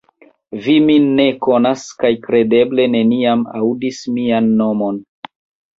Vi min ne konas kaj kredeble neniam aŭdis mian nomon.